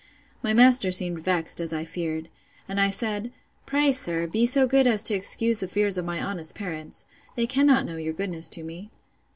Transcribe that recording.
My master seemed vexed, as I feared. And I said, Pray, sir, be so good as to excuse the fears of my honest parents. They cannot know your goodness to me.